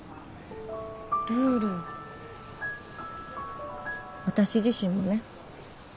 ルール私自身もね